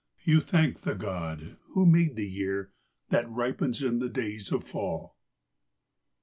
You thank the God who made the year that ripens in the days of fall.